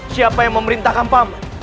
siapa yang memerintahkan paman